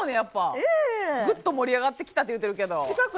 ええ。ぐっど盛り上がってきたって言うてるけど。